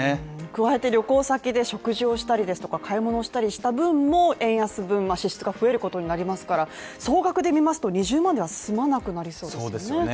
加えて旅行先で食事をしたりですとか買い物をしたりした分も円安分支出が増えることになりますから、総額で見ますと２０万では済まなくなりそうですよね